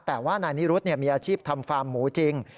แต่ว่านายนิรุธมีอาชีพทำฟาร์มหมูจริง